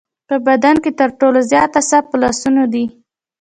په بدن کې تر ټولو زیات اعصاب په لاسونو کې دي.